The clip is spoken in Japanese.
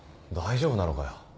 大丈夫なのかよ。